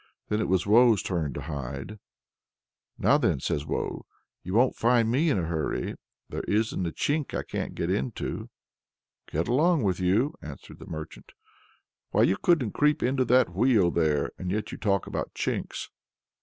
Then it was Woe's turn to hide. "Now then," says Woe, "you won't find me in a hurry! There isn't a chink I can't get into!" "Get along with you!" answered the merchant. "Why you couldn't creep into that wheel there, and yet you talk about chinks!"